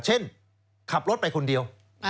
เช่นขับรถไปคนเดียว